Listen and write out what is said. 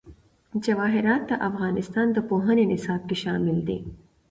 جواهرات د افغانستان د پوهنې نصاب کې شامل دي.